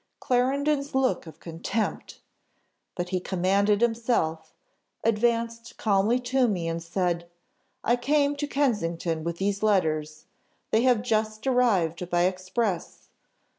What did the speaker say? Clarendon's look of contempt! But he commanded himself, advanced calmly to me, and said, 'I came to Kensington with these letters; they have just arrived by express.